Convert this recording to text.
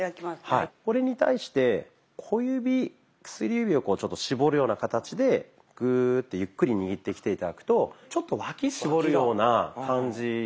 これに対して小指薬指をこうちょっと絞るような形でグーッてゆっくり握ってきて頂くとちょっと脇絞るような感じ。